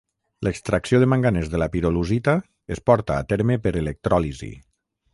L'extracció de manganès de la pirolusita es porta a terme per electròlisi.